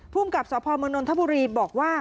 ภูมิกับสพมนนทบุรีบอกว่า